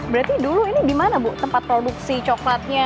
berarti dulu ini di mana bu tempat produksi coklatnya